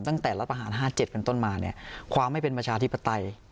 ตั้งแต่รัฐประหาร๕๗บต้นมาความทำให้เป็นประชาธิปไตย